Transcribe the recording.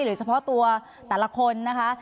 โดยเฉพาะตัวแต่ละคนนะคะ